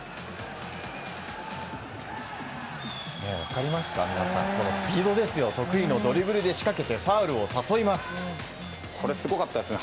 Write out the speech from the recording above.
分かりますか、皆さん、このスピードですよ、得意のドリブルで仕これ、すごかったですね。